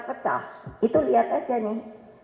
pecah itu lihat aja nih